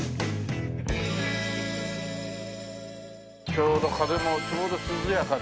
ちょうど風もちょうど涼やかで。